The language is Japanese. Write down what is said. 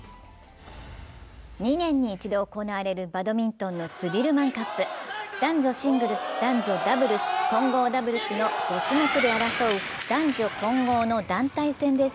２年に一度行われるバドミントンのスディルマンカップ男女シングルス、男女ダブルス、混合ダブルスの５種目で争う男女混合の団体戦です。